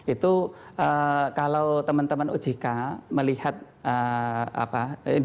itu kalau teman teman ojk melihat apa